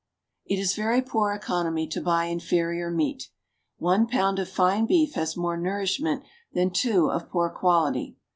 It is very poor economy to buy inferior meat. One pound of fine beef has more nourishment than two of poor quality.